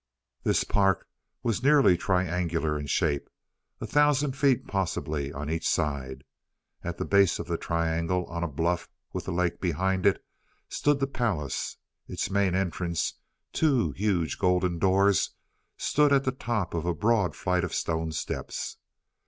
This park was nearly triangular in shape a thousand feet possibly on each side. At the base of the triangle, on a bluff with the lake behind it, stood the palace. Its main entrance, two huge golden doors, stood at the top of a broad flight of stone steps.